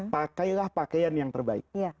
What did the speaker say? pakailah pakaian yang terbaik